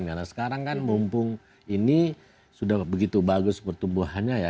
karena sekarang kan mumpung ini sudah begitu bagus pertumbuhannya ya